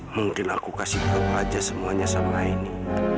mungkin aku kasih tau aja semuanya sama aini